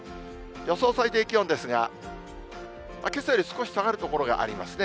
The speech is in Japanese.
予想最低気温ですが、けさより少し下がる所がありますね。